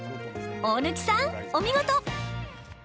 大貫さん、お見事。